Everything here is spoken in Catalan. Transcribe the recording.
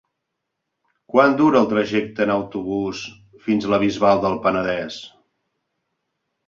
Quant dura el trajecte en autobús fins a la Bisbal del Penedès?